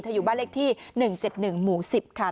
อยู่บ้านเลขที่๑๗๑หมู่๑๐ค่ะ